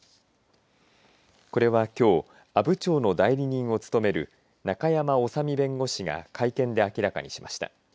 これは、きょう阿武町の代理人を務める中山修身弁護士が会見で明らかにしました。